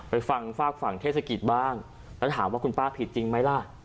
ไปฟังฝากฝั่งเทศกิจบ้างแล้วถามว่าคุณป้าผิดจริงไหมล่ะ